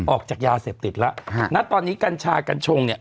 ออกจากยาเสพติดแล้วฮะณตอนนี้กัญชากัญชงเนี่ย